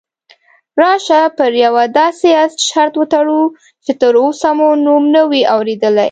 راشه پر یوه داسې اس شرط وتړو چې تراوسه مو نوم نه وي اورېدلی.